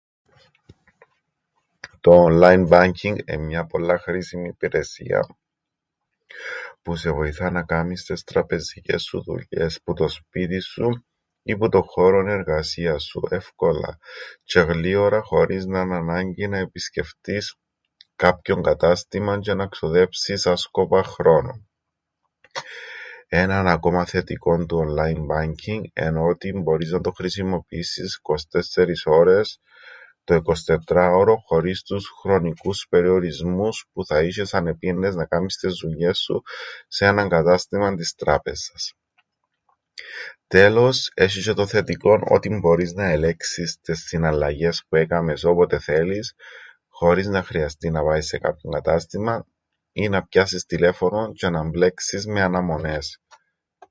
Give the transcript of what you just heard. To online banking εν' μια πολλά χρήσιμη υπηρεσία που σε βοηθά να κάμεις τες τραπεζικές σου δουλειές που το σπίτιν σου ή τον χώρον εργασίας σου εύκολα τζ̆αι γλήορα χωρίς να 'ν' ανάγκη να επισκεφτείς κάποιον κατάστημαν τζ̆αι να ξοδέψεις άσκοπα χρόνον. Έναν ακόμα θετικόν του online banking εν' ότι μπορείς να το χρησιμοποιήσεις 24 ώρες το 24ώρον χωρίς τους χρονικούς περιορισμούς που θα είσ̆ες αν επήαιννες να κάμεις τες δουλειές σου σε έναν κατάστημαν της τράπεζας. Τέλος έσ̆ει τζ̆αι το θετικόν ότι μπορείς να ελέγξεις τες συναλλαγές που έκαμες όποτε θέλεις χωρίς να χρειαστεί να πάεις σε κάποιον κατάστημαν ή να πιάσεις τηλέφωνον τζ̆αι να μπλέξεις με αναμονές.